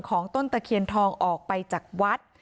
ต้นตะเคียนทองออกไปจากวัด